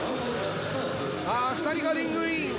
さぁ２人がリングイン。